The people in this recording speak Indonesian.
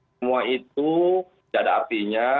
semua itu tidak ada apinya